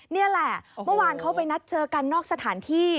นี่แหละเมื่อวานเขาไปนัดเจอกันนอกสถานที่